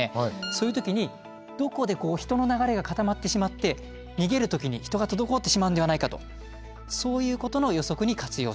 そういう時にどこで人の流れが固まってしまって逃げる時に人が滞ってしまうんではないかとそういうことの予測に活用しているんです。